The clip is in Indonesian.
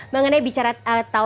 mengenai bicara tentang media